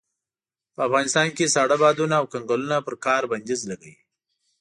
په افغانستان کې ساړه بادونه او کنګلونه پر کار بنديز لګوي.